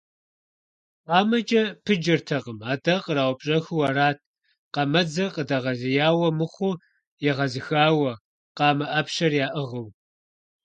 КъамэкӀэ пыджэртэкъым, атӀэ къраупщӀэхыу арат, къамэдзэр къыдэгъэзеяуэ мыхъуу, егъэзыхауэ, къамэ Ӏэпщэр яӀыгъыу.